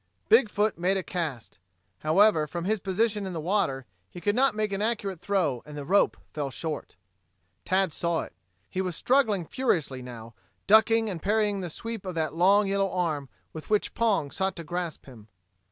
Big foot made a cast. However, from his position in the water, he could not make an accurate throw and the rope fell short. Tad saw it. He was struggling furiously now, ducking and parrying the sweep of that long, yellow arm, with which Pong sought to grasp him.